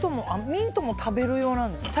ミントも食べる用ですか？